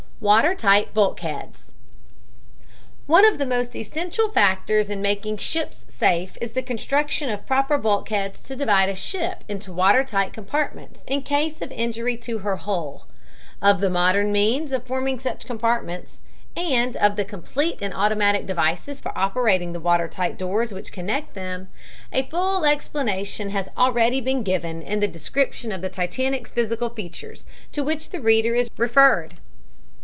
WATER TIGHT BULKHEADS One of the most essential factors in making ships safe is the construction of proper bulkheads to divide a ship into water tight compartments in case of injury to her hull. Of the modern means of forming such compartments, and of the complete and automatic devices for operating the watertight doors which connect them, a full explanation has already been given in the description of the Titanic's physical features, to which the reader is referred.